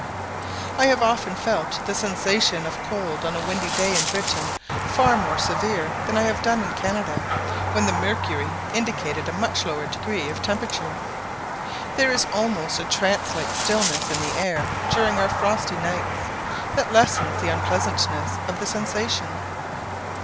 I have often felt the sensation of cold on a windy day in Britain far more severe than I have done in Canada, when the mercury indicated a much lower degree of temperature. There is almost a trance like stillness in the air during our frosty nights that lessens the unpleasantness of the sensation.